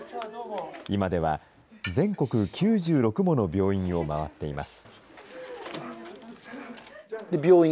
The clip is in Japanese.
今では、全国９６もの病院を回っています。